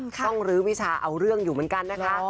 ต้องลื้อวิชาเอาเรื่องอยู่เหมือนกันนะคะ